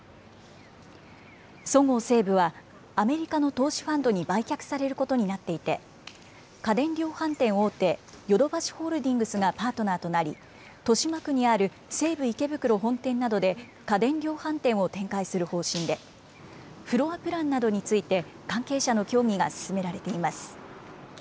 そごう・西武は、アメリカの投資ファンドに売却されることになっていて、家電量販店大手、ヨドバシホールディングスがパートナーとなり、豊島区にある西武池袋本店などで、家電量販店を展開する方針で、フロアプランなどについて、関係者の協議が進められています。